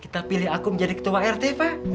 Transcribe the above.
kita pilih akum jadi ketua rt pak